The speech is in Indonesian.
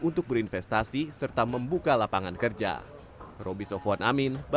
untuk berinvestasi serta membuka lapangan kerja